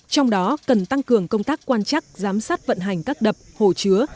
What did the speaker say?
trong đó cần tăng cường công tác quan chắc giám sát vận hành các đập hồ chứa